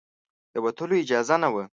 د وتلو اجازه نه وه.